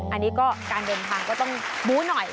อันนี้ก็การเดินทางก็ต้องบู๊หน่อย